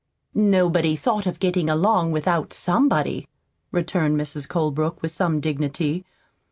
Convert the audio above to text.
"Nobody thought of getting along without SOMEBODY," returned Mrs. Colebrook, with some dignity.